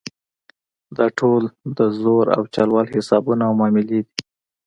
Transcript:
دا ټول د زور او چل ول حسابونه او معاملې دي.